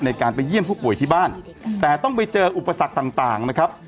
ในการไปเยี่ยมผู้ป่วยที่บ้านแต่ต้องไปเจออุปสรรคต่างนะครับ